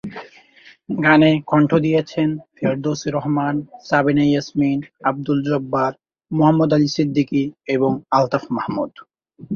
গানে কণ্ঠ দিয়েছেন ফেরদৌসী রহমান, সাবিনা ইয়াসমিন, আব্দুল জব্বার, মোহাম্মদ আলী সিদ্দিকী এবং আলতাফ মাহমুদ।